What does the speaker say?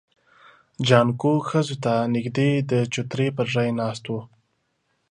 جانکو ښځو ته نږدې د چوترې پر ژی ناست و.